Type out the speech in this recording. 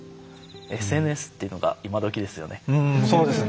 ＳＮＳっていうのが今どきですよね。